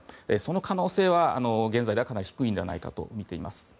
その可能性は現在かなり低いのではないかとみています。